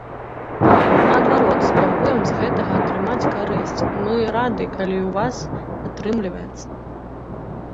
Наадварот, спрабуем з гэтага атрымаць карысць, мы рады, калі ў вас атрымліваецца.